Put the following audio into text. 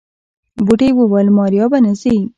بوډۍ وويل ماريا به نه ځي.